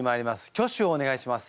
挙手をお願いします。